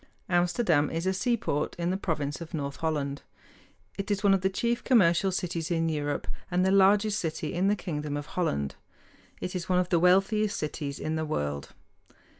Amsterdam is a seaport in the province of North Holland. It is one of the chief commercial cities in Europe and the largest city in the kingdom of Holland. It is one of the wealthiest cities in the world.